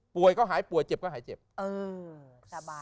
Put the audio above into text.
ป่วยก็หายป่วยเจ็บก็หายเจ็บ